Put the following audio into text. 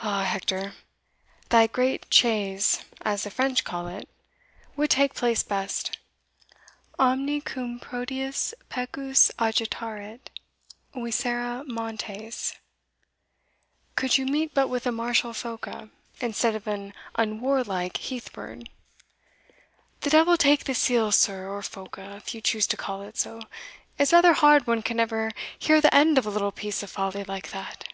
"Ah, Hector! thy great chasse, as the French call it, would take place best Omne cum Proteus pecus agitaret altos Visere montes Could you meet but with a martial phoca, instead of an unwarlike heath bird." "The devil take the seal, sir, or phoca, if you choose to call it so! It's rather hard one can never hear the end of a little piece of folly like that."